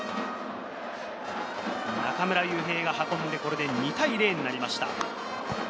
中村悠平が運んで、これで２対０となりました。